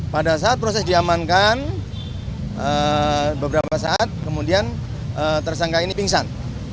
pada saat proses diamankan beberapa saat kemudian tersangka ini pingsan